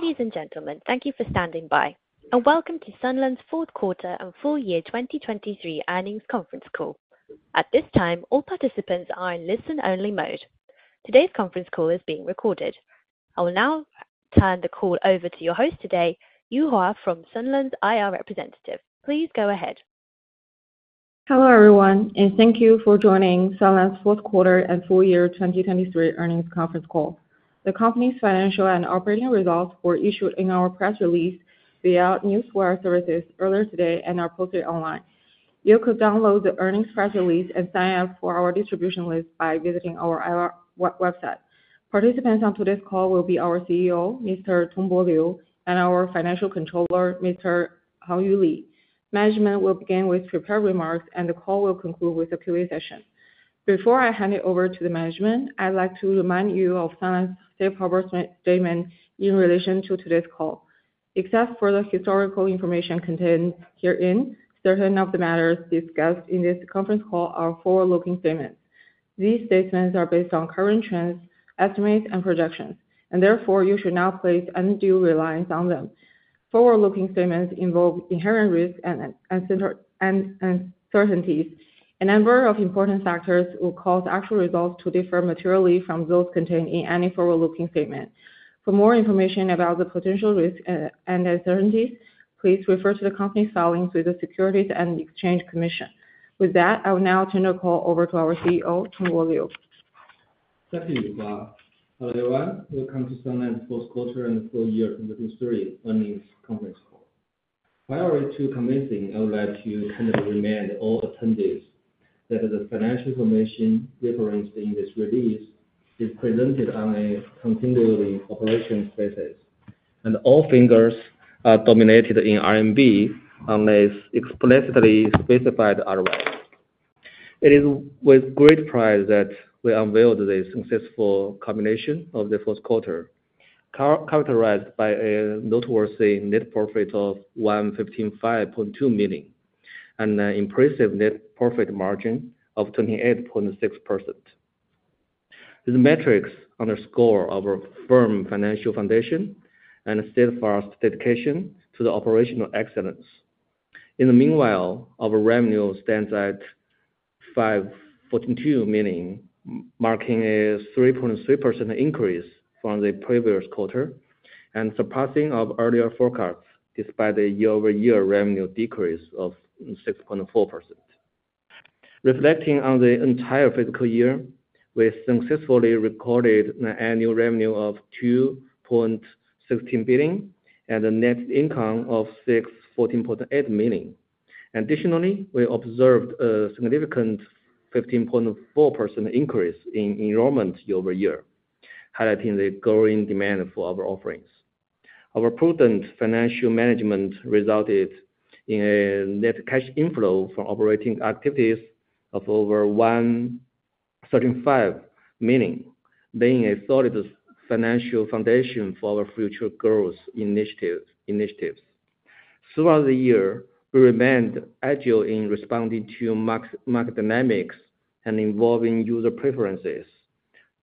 Ladies and gentlemen, thank you for standing by, and welcome to Sunlands' fourth quarter and full year 2023 earnings conference call. At this time, all participants are in listen-only mode. Today's conference call is being recorded. I will now turn the call over to your host today, Yuhua from Sunlands, IR representative. Please go ahead. Hello everyone, and thank you for joining Sunlands' fourth quarter and full year 2023 earnings conference call. The company's financial and operating results were issued in our press release via newswire services earlier today and are posted online. You could download the earnings press release and sign up for our distribution list by visiting our website. Participants on today's call will be our CEO, Mr. Tongbo Liu, and our Financial Controller, Mr. Hangyu Li. Management will begin with prepared remarks, and the call will conclude with a Q&A session. Before I hand it over to the management, I'd like to remind you of Sunlands' safe harbor statement in relation to today's call. Except for the historical information contained herein, certain of the matters discussed in this conference call are forward-looking statements. These statements are based on current trends, estimates, and projections, and therefore you should not place undue reliance on them. Forward-looking statements involve inherent risks and uncertainties. A number of important factors will cause actual results to differ materially from those contained in any forward-looking statement. For more information about the potential risks and uncertainties, please refer to the company's filings with the Securities and Exchange Commission. With that, I will now turn the call over to our CEO, Tongbo Liu. Thank you, Yuhua. Hello everyone, welcome to Sunlands' fourth quarter and full year 2023 earnings conference call. Prior to commencing, I would like to kindly remind all attendees that the financial information referenced in this release is presented on a continuing operations basis, and all figures are denominated in CNY unless explicitly specified otherwise. It is with great pride that we unveiled the successful culmination of the fourth quarter, characterized by a noteworthy net profit of 155.2 million and an impressive net profit margin of 28.6%. These metrics underscore our firm financial foundation and steadfast dedication to operational excellence. In the meanwhile, our revenue stands at 542 million, marking a 3.3% increase from the previous quarter and surpassing our earlier forecasts despite a year-over-year revenue decrease of 6.4%. Reflecting on the entire fiscal year, we successfully recorded an annual revenue of 2.16 billion and a net income of 614.8 million. Additionally, we observed a significant 15.4% increase in enrollment year-over-year, highlighting the growing demand for our offerings. Our prudent financial management resulted in a net cash inflow from operating activities of over 135 million, laying a solid financial foundation for our future growth initiatives. Throughout the year, we remained agile in responding to market dynamics and involving user preferences,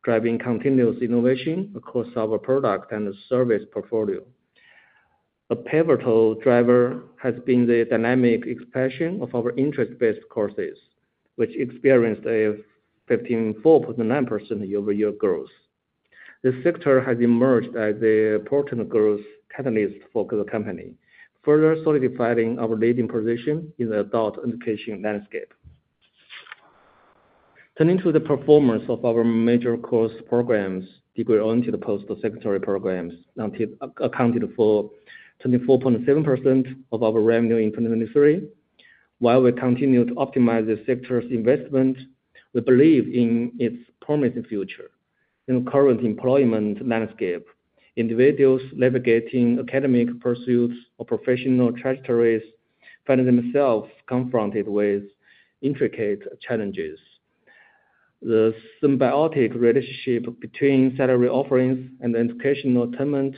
driving continuous innovation across our product and service portfolio. A pivotal driver has been the dynamic expansion of our interest-based courses, which experienced a 154.9% year-over-year growth. This sector has emerged as a potent growth catalyst for the company, further solidifying our leading position in the adult education landscape. Turning to the performance of our major course programs, degree and diploma-oriented post-secondary programs accounted for 24.7% of our revenue in 2023. While we continue to optimize the sector's investment, we believe in its promising future. In the current employment landscape, individuals navigating academic pursuits or professional trajectories find themselves confronted with intricate challenges. The symbiotic relationship between salary offerings and educational attainment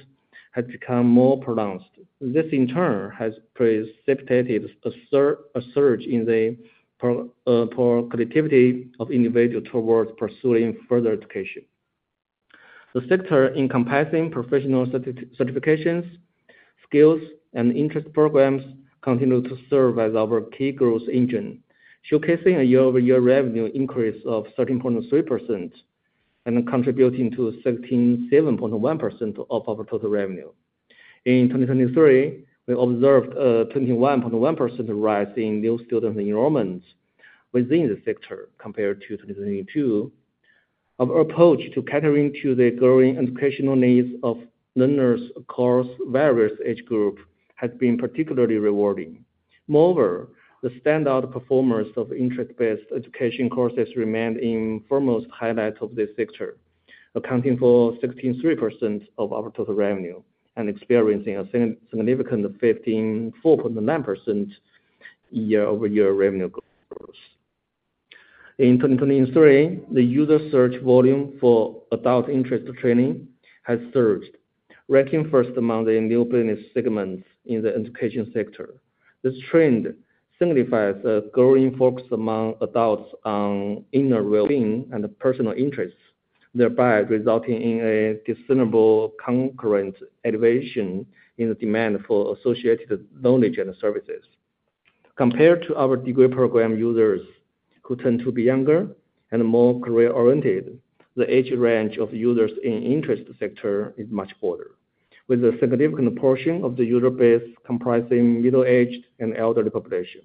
has become more pronounced. This, in turn, has precipitated a surge in the proactivity of individuals towards pursuing further education. The sector, encompassing professional certifications, skills, and interest programs, continues to serve as our key growth engine, showcasing a year-over-year revenue increase of 13.3% and contributing to 367.1 million of our total revenue. In 2023, we observed a 21.1% rise in new students' enrollments within the sector compared to 2022. Our approach to catering to the growing educational needs of learners across various age groups has been particularly rewarding. Moreover, the standout performance of interest-based education courses remained in the foremost highlight of this sector, accounting for 163% of our total revenue and experiencing a significant 154.9% year-over-year revenue growth. In 2023, the user search volume for adult interest training has surged, ranking first among the new business segments in the education sector. This trend signifies a growing focus among adults on inner well-being and personal interests, thereby resulting in a discernible concurrent elevation in the demand for associated knowledge and services. Compared to our degree program users who tend to be younger and more career-oriented, the age range of users in the interest sector is much broader, with a significant portion of the user base comprising middle-aged and elderly population.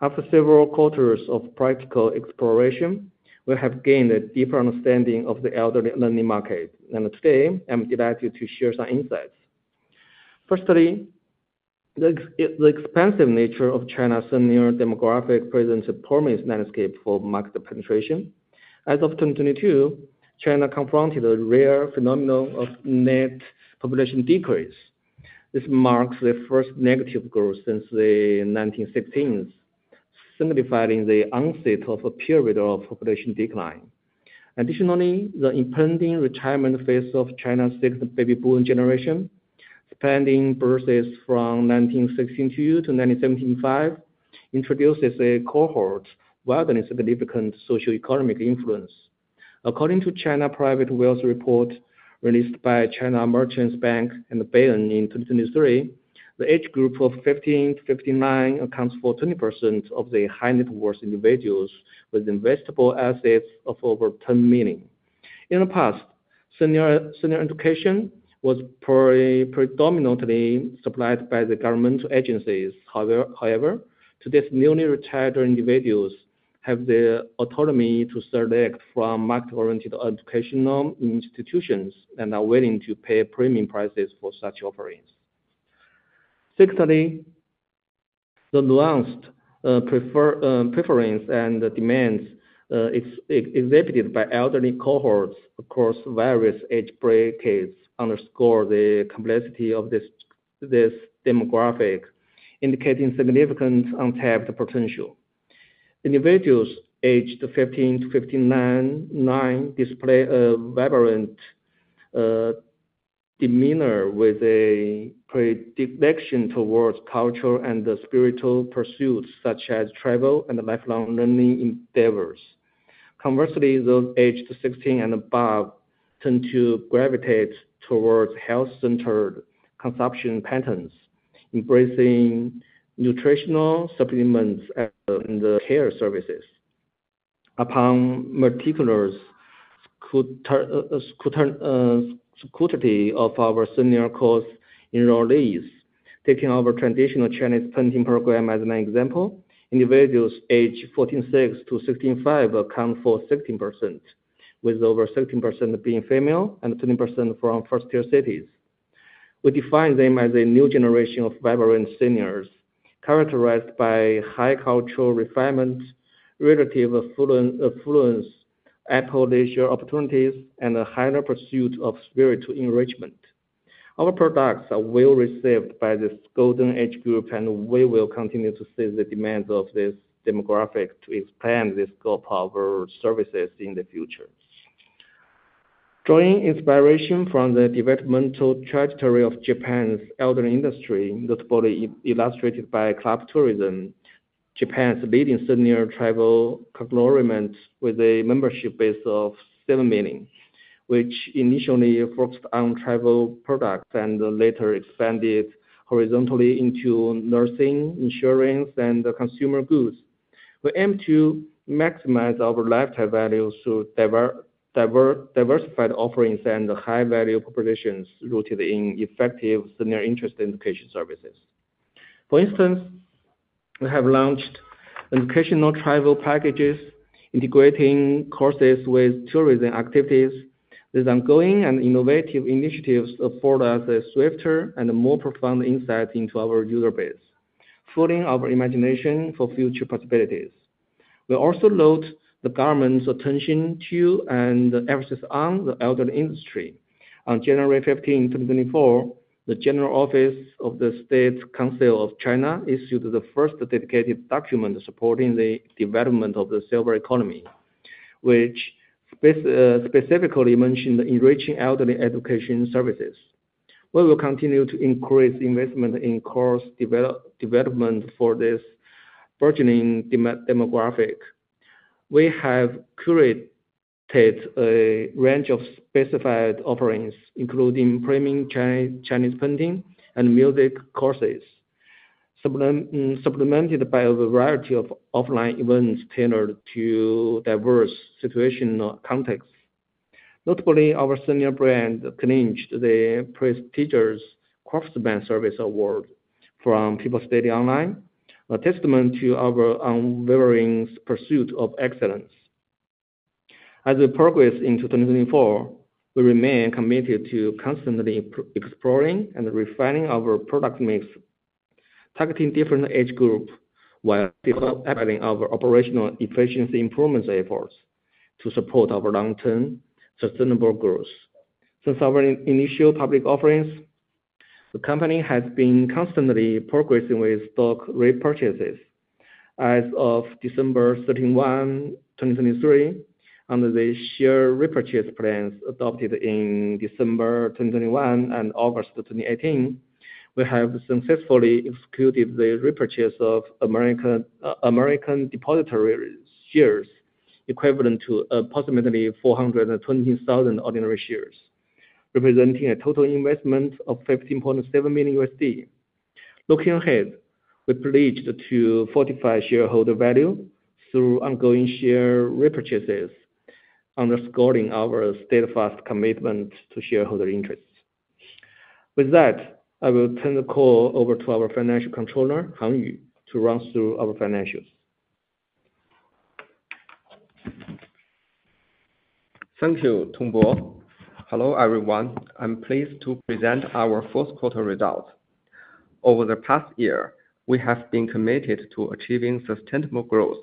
After several quarters of practical exploration, we have gained a deeper understanding of the elderly learning market, and today I'm delighted to share some insights. First, the expansive nature of China's aging demographic presents a promising landscape for market penetration. As of 2022, China confronted a rare phenomenon of net population decrease. This marks the first negative growth since the 1960s, signifying the onset of a period of population decline. Additionally, the impending retirement phase of China's sixth baby boom generation, spanning births from 1962 to 1975, introduces a cohort rather than a significant socioeconomic influence. According to China Private Wealth Report released by China Merchants Bank and Bain in 2023, the age group of 50-59 accounts for 20% of the high-net-worth individuals with investable assets of over 10 million. In the past, senior education was predominantly supplied by the government agencies. However, today's newly retired individuals have the autonomy to select from market-oriented educational institutions and are willing to pay premium prices for such offerings. Secondly, the nuanced preference and demands exhibited by elderly cohorts across various age brackets underscore the complexity of this demographic, indicating significant untapped potential. Individuals aged 50-59 display a vibrant demeanor with a predilection towards cultural and spiritual pursuits such as travel and lifelong learning endeavors. Conversely, those aged 60 and above tend to gravitate towards health-centered consumption patterns, embracing nutritional supplements and care services. Upon meticulous scrutiny of our senior course enrollees, taking our traditional Chinese painting program as an example, individuals aged 14.6-16.5 account for 16%, with over 16% being female and 20% from first-tier cities. We define them as a new generation of vibrant seniors, characterized by high cultural refinement, relative affluence, application opportunities, and a higher pursuit of spiritual enrichment. Our products are well received by this golden age group, and we will continue to see the demands of this demographic to expand the scope of our services in the future. Drawing inspiration from the developmental trajectory of Japan's elderly industry, notably illustrated by Club Tourism, Japan's leading senior travel conglomerate with a membership base of 7 million, which initially focused on travel products and later expanded horizontally into nursing, insurance, and consumer goods. We aim to maximize our lifetime value through diversified offerings and high-value propositions rooted in effective senior interest education services. For instance, we have launched educational travel packages, integrating courses with tourism activities. These ongoing and innovative initiatives afford us a swifter and more profound insight into our user base, fueling our imagination for future possibilities. We also note the government's attention to and emphasis on the elderly industry. On January 15, 2024, the General Office of the State Council of China issued the first dedicated document supporting the development of the silver economy, which specifically mentioned enriching elderly education services. We will continue to increase investment in course development for this burgeoning demographic. We have curated a range of specified offerings, including premium Chinese painting and music courses, supplemented by a variety of offline events tailored to diverse situational contexts. Notably, our senior brand clinched the prestigious Craftsman Service Award from People's Daily Online, a testament to our unwavering pursuit of excellence. As we progress into 2024, we remain committed to constantly exploring and refining our product mix, targeting different age groups while developing our operational efficiency improvement efforts to support our long-term, sustainable growth. Since our initial public offerings, the company has been constantly progressing with stock repurchases. As of December 31, 2023, under the share repurchase plans adopted in December 2021 and August 2018, we have successfully executed the repurchase of American Depositary Shares equivalent to approximately 420,000 ordinary shares, representing a total investment of $15.7 million. Looking ahead, we pledged to fortify shareholder value through ongoing share repurchases, underscoring our steadfast commitment to shareholder interests. With that, I will turn the call over to our Financial Controller, Hangyu, to run through our financials. Thank you, Tongbo. Hello, everyone. I'm pleased to present our fourth quarter results. Over the past year, we have been committed to achieving sustainable growth,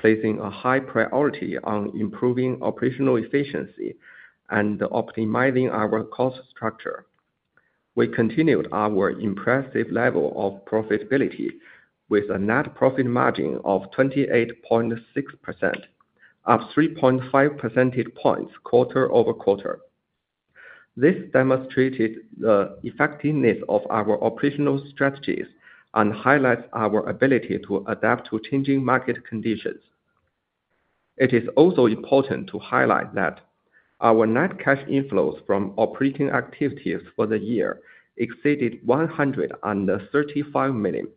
placing a high priority on improving operational efficiency and optimizing our cost structure. We continued our impressive level of profitability with a net profit margin of 28.6%, up 3.5 percentage points quarter-over-quarter. This demonstrated the effectiveness of our operational strategies and highlights our ability to adapt to changing market conditions. It is also important to highlight that our net cash inflows from operating activities for the year exceeded 135 million,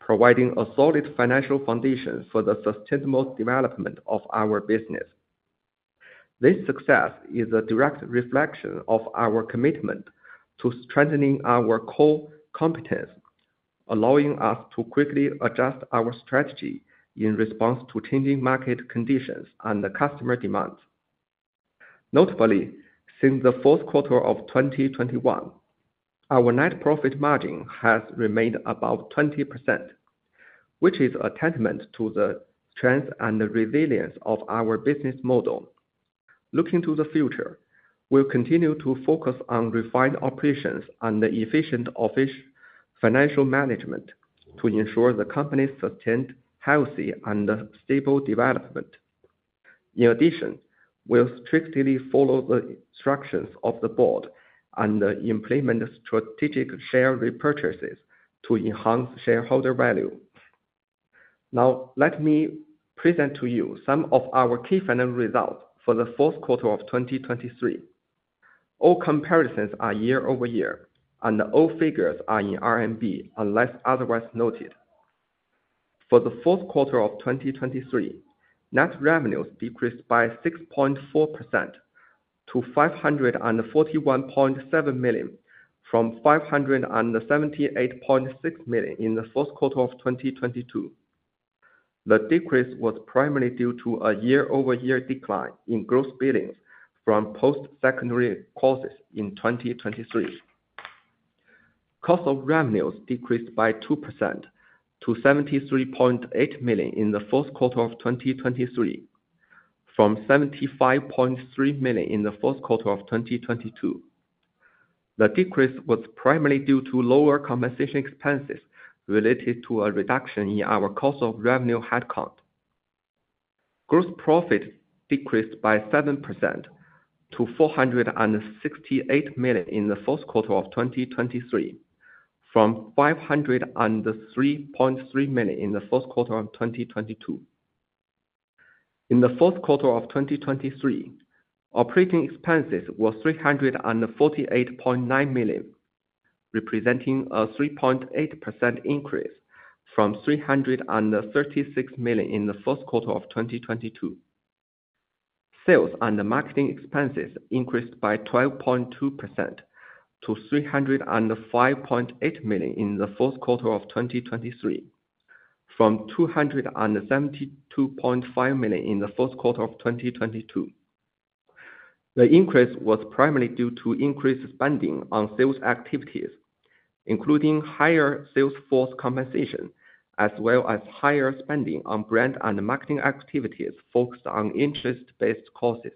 providing a solid financial foundation for the sustainable development of our business. This success is a direct reflection of our commitment to strengthening our core competence, allowing us to quickly adjust our strategy in response to changing market conditions and customer demands. Notably, since the fourth quarter of 2021, our net profit margin has remained above 20%, which is a testament to the strength and resilience of our business model. Looking to the future, we'll continue to focus on refined operations and efficient financial management to ensure the company sustains healthy and stable development. In addition, we'll strictly follow the instructions of the board and implement strategic share repurchases to enhance shareholder value. Now, let me present to you some of our key financial results for the fourth quarter of 2023. All comparisons are year-over-year, and all figures are in RMB unless otherwise noted. For the fourth quarter of 2023, net revenues decreased by 6.4% to 541.7 million from 578.6 million in the fourth quarter of 2022. The decrease was primarily due to a year-over-year decline in gross billings from post-secondary courses in 2023. Cost of revenues decreased by 2% to 73.8 million in the fourth quarter of 2023, from 75.3 million in the fourth quarter of 2022. The decrease was primarily due to lower compensation expenses related to a reduction in our cost of revenue headcount. Gross profit decreased by 7% to 468 million in the fourth quarter of 2023, from 503.3 million in the fourth quarter of 2022. In the fourth quarter of 2023, operating expenses were 348.9 million, representing a 3.8% increase from 336 million in the fourth quarter of 2022. Sales and marketing expenses increased by 12.2% to 305.8 million in the fourth quarter of 2023, from 272.5 million in the fourth quarter of 2022. The increase was primarily due to increased spending on sales activities, including higher sales force compensation as well as higher spending on brand and marketing activities focused on interest-based courses.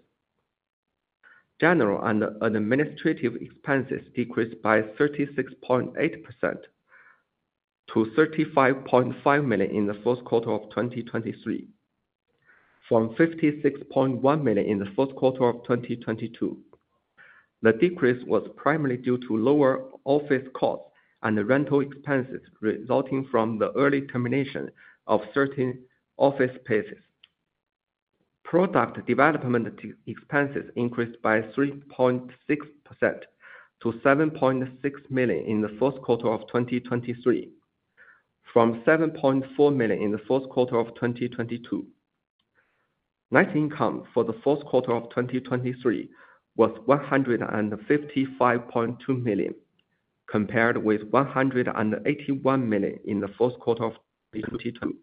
General and administrative expenses decreased by 36.8% to 35.5 million in the fourth quarter of 2023, from 56.1 million in the fourth quarter of 2022. The decrease was primarily due to lower office costs and rental expenses resulting from the early termination of certain office spaces. Product development expenses increased by 3.6% to 7.6 million in the fourth quarter of 2023, from 7.4 million in the fourth quarter of 2022. Net income for the fourth quarter of 2023 was 155.2 million, compared with 181 million in the fourth quarter of 2022.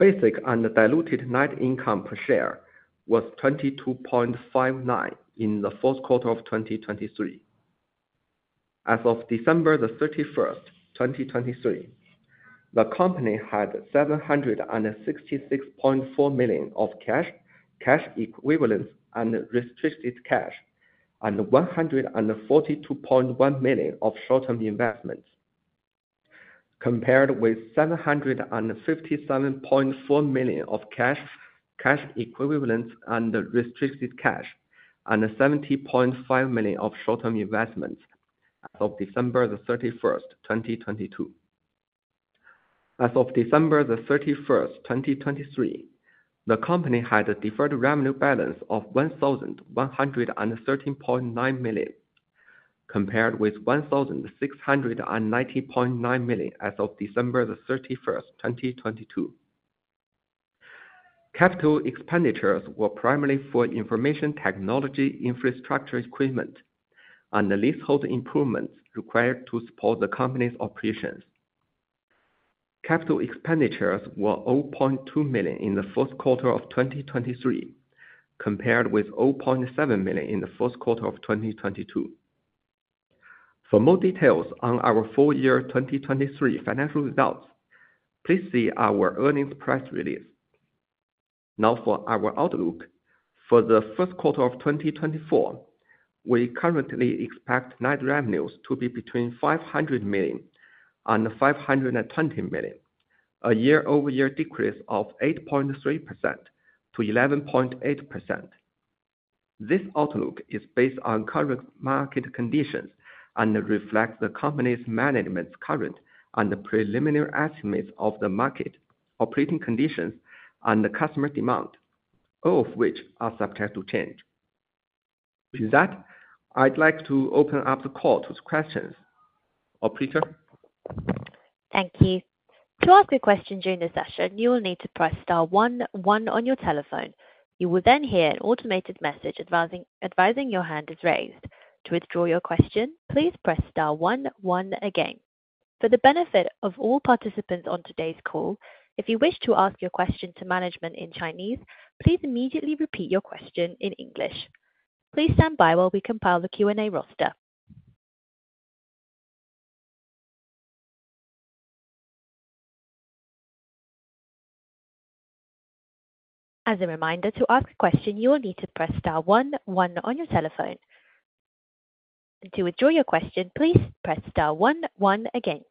Basic and diluted net income per share was 22.59 in the fourth quarter of 2023. As of December 31, 2023, the company had 766.4 million of cash equivalents and restricted cash, and 142.1 million of short-term investments, compared with 757.4 million of cash equivalents and restricted cash, and 70.5 million of short-term investments as of December 31, 2022. As of December 31, 2023, the company had a deferred revenue balance of 1,113.9 million, compared with 1,690.9 million as of December 31, 2022. Capital expenditures were primarily for information technology infrastructure equipment and the leasehold improvements required to support the company's operations. Capital expenditures were 0.2 million in the fourth quarter of 2023, compared with 0.7 million in the fourth quarter of 2022. For more details on our full-year 2023 financial results, please see our earnings press release. Now, for our outlook, for the first quarter of 2024, we currently expect net revenues to be between 500 million and 520 million, a year-over-year decrease of 8.3%-11.8%. This outlook is based on current market conditions and reflects the company's management's current and preliminary estimates of the market, operating conditions, and customer demand, all of which are subject to change. With that, I'd like to open up the call to questions. Operator. Thank you. To ask a question during the session, you will need to press star one one on your telephone. You will then hear an automated message advising your hand is raised. To withdraw your question, please press star one one again. For the benefit of all participants on today's call, if you wish to ask your question to management in Chinese, please immediately repeat your question in English. Please stand by while we compile the Q&A roster. As a reminder, to ask a question, you will need to press star one one on your telephone. To withdraw your question, please press star one one again.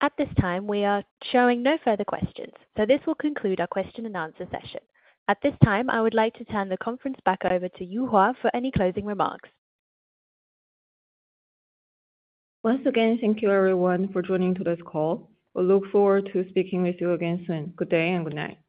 At this time, we are showing no further questions, so this will conclude our question and answer session. At this time, I would like to turn the conference back over to Yuhua for any closing remarks. Once again, thank you, everyone, for joining today's call. We look forward to speaking with you again soon. Good day and good night.